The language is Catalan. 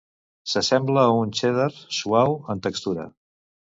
S'assembla a un cheddar suau en textura.